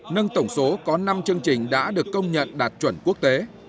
nâng tổng số có năm chương trình đã được công nhận đạt chuẩn quốc tế